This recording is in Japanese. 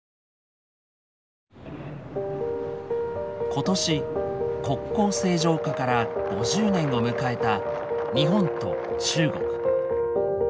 今年国交正常化から５０年を迎えた日本と中国。